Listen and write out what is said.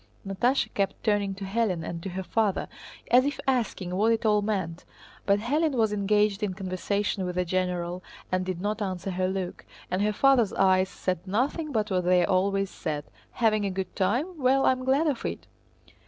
Natásha kept turning to Hélène and to her father, as if asking what it all meant, but Hélène was engaged in conversation with a general and did not answer her look, and her father's eyes said nothing but what they always said: "Having a good time? Well, I'm glad of it!"